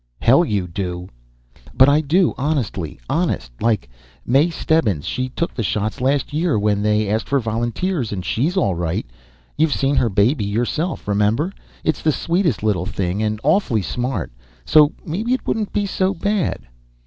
"Hell you do." "But I do, honey! Honest, like! May Stebbins, she took the shots last year, when they asked for volunteers. And she's all right. You seen her baby yourself, remember? It's the sweetest little thing, and awful smart! So maybe it wouldn't be so bad."